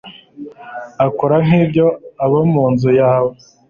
akora nk ibyo abo mu nzu yawe